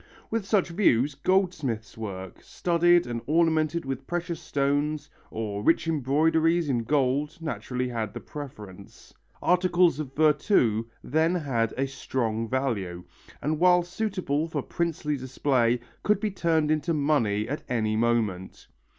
With such views, goldsmiths' work, studded and ornamented with precious stones, or rich embroideries in gold, naturally had the preference. Articles of virtu then had a solid value, and while suitable for princely display, could be turned into money at any moment.